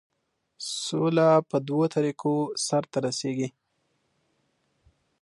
سوله په دوو طریقو سرته رسیږي.